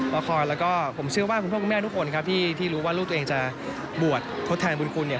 ละครแล้วก็ผมเชื่อว่าคุณพ่อคุณแม่ทุกคนครับที่รู้ว่าลูกตัวเองจะบวชทดแทนบุญคุณเนี่ย